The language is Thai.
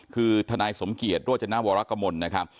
คือทนายสมเกียจโรจนวรกมลนะครับ